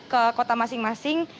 ke kota masing masing